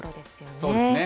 そうですね。